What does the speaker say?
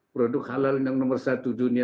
produk halal yang nomor satu dunia